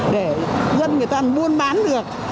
để dân người ta buôn bán được